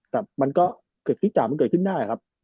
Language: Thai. แต่มันก็เกิดพิจารณ์มันเกิดขึ้นหน้าครับ